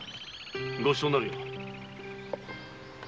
ごちそうになるよ。